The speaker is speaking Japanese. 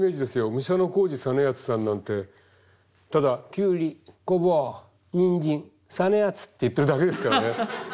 武者小路実篤さんなんてただ「きゅうりごぼうにんじん実篤」って言ってるだけですからね。